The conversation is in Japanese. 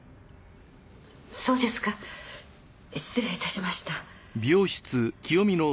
そうですか失礼いたしました。